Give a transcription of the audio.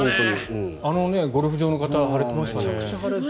あのゴルフ場の方腫れてましたね。